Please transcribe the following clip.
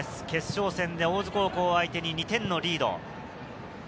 決勝戦で大津高校相手に２点のリード。